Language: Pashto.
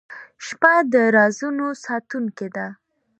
• شپه د رازونو ساتونکې ده.